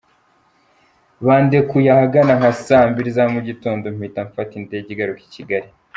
Bandekuye ahagana nka saa mbili za mugitondo mpita mfata indege igaruka Kigali .